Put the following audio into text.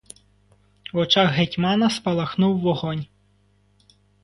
В очах гетьмана спалахнув вогонь.